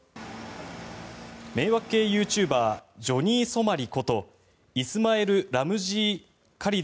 迷惑系ユーチューバージョニー・ソマリことイスマエル・ラムジー・カリド